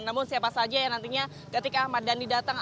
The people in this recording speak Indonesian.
namun siapa saja yang nantinya ketika ahmad dhani datang